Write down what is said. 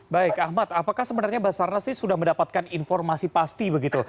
baik ahmad apakah sebenarnya basarnas sudah mendapatkan informasi pasti begitu